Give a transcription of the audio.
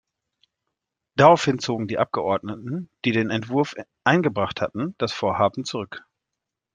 Daraufhin zogen die Abgeordneten, die den Entwurf eingebracht hatten, das Vorhaben zurück.